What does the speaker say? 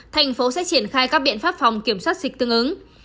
thành phố sẽ triển khai các biện pháp phòng kiểm soát dịch tương ứng